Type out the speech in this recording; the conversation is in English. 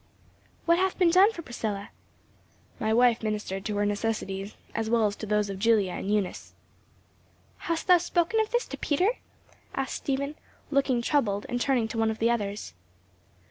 "What hath been done for Priscilla?" "My wife ministered to her necessities, as well as to those of Julia and Eunice." "Hast thou spoken of this to Peter?" asked Stephen, looking troubled and turning to one of the others.